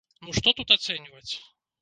Ну што тут ацэньваць.